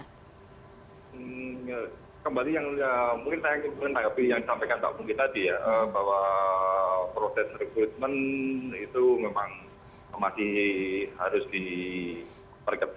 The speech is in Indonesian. kembali yang mungkin saya ingin menanggapi yang disampaikan pak bung ketadi ya